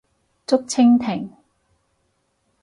竹蜻蜓